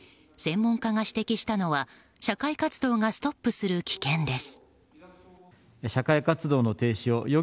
専門家が指摘したのは社会活動がストップする危険です。